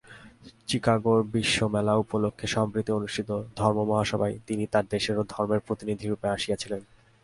চিকাগোর বিশ্বমেলা উপলক্ষে সম্প্রতি অনুষ্ঠিত ধর্ম-মহাসভায় তিনি তাঁহার দেশের ও ধর্মের প্রতিনিধিরূপে আসিয়াছিলেন।